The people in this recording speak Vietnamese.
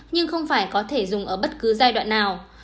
nhưng không phải có thể dùng ở bất cứ giai đoạn nào